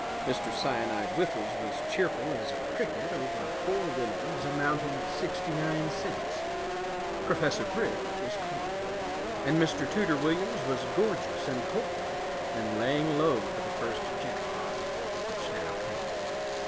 Mr. Cyanide Whiffles was cheerful as a cricket over four winnings amounting to sixty nine cents; Professor Brick was calm, and Mr. Tooter Williams was gorgeous and hopeful, and laying low for the first jackpot, which now came.